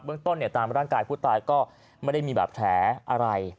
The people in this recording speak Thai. เมื่องต้นเนี่ยตามร่างกายผู้ตายก็ไม่มีแบบแผลอะไร